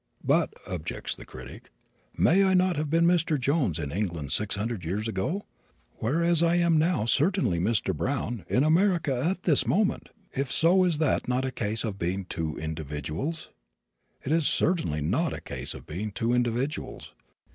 "But," objects the critic, "may I not have been Mr. Jones, in England six hundred years ago, whereas I am now certainly Mr. Brown, in America at this moment? If so is that not a case of being two individuals?" It is certainly not a case of being two individuals.